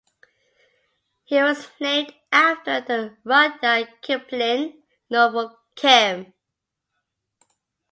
He was named after the Rudyard Kipling novel "Kim".